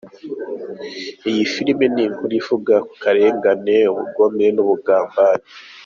Iyi filime ni inkuru ivuga ku karengane ,ubugome n’ubugambanyi.